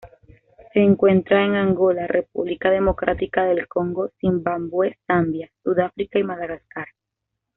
Se encuentra en Angola República Democrática del Congo Zimbabue Zambia, Sudáfrica y Madagascar.